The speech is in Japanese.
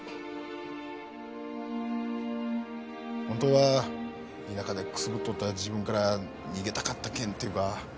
ホントは田舎でくすぶっとった自分から逃げたかったけんっていうか。